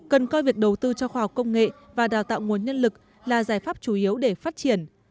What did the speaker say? cần coi việc đầu tư cho khoa học công nghệ và đào tạo nguồn nhân lực là giải pháp chủ yếu để phát triển